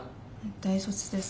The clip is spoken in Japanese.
大卒です。